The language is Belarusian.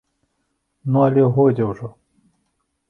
Ну, але годзе ўжо.